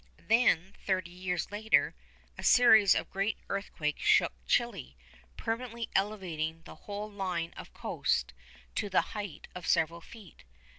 Then, thirty years later, a series of great earthquakes shook Chili, permanently elevating the whole line of coast to the height of several feet.